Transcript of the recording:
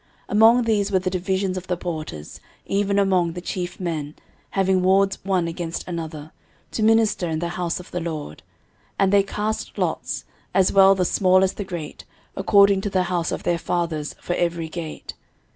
13:026:012 Among these were the divisions of the porters, even among the chief men, having wards one against another, to minister in the house of the LORD. 13:026:013 And they cast lots, as well the small as the great, according to the house of their fathers, for every gate.